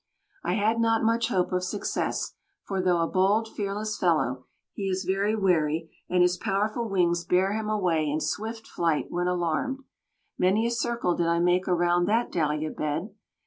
I had not much hope of success, for though a bold, fearless fellow, he is very wary, and his powerful wings bear him away in swift flight when alarmed. Many a circle did I make around that dahlia bed!